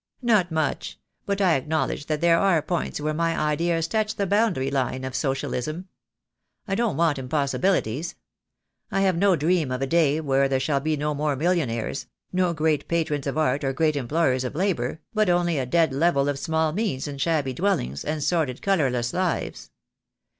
"Not much; but I acknowledge that there are points where my ideas touch the boundary line of Socialism. I don't want impossibilities. I have no dream of a day when there shall be no more millionaires, no great patrons of art or great employers of labour, but only a dead level of small means and shabby dwellings, and sordid colour less lives.